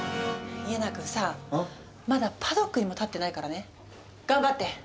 家長くんさあまだパドックにも立ってないからね頑張って。